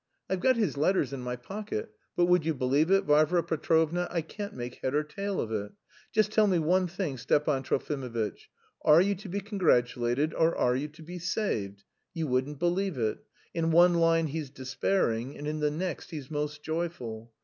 I've got his letters in my pocket. But would you believe it, Varvara Petrovna, I can't make head or tail of it? Just tell me one thing, Stepan Trofimovitch, are you to be congratulated or are you to be 'saved'? You wouldn't believe it; in one line he's despairing and in the next he's most joyful.